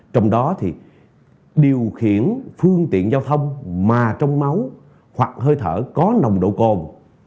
trong đó thì điều khiển phương tiện giao thông mà trong máu hoặc hơi thở có nồng độ cồn